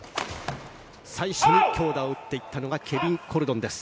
最初に強打を打っていったのがケビン・コルドンです。